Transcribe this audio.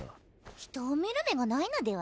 人を見る目がないのでは？